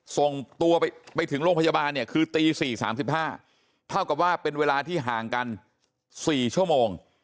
ส่งตัวไปถึงโรงพยาบาลเนี่ยคือตี๔๓๕เท่ากับว่าเป็นเวลาที่ห่างกัน๔ชั่วโมง